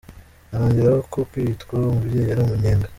Anongeraho ko kwitwa umubyeyi ari umunyenga.